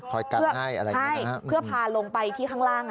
ใช่เพื่อพาลงไปที่ข้างล่าง